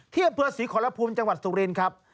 เที่ยงเผื้อศรีขณะภูมิจังหวัดสุรินทร์ครับ